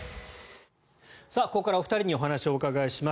ここからはお二人にお話をお伺いします。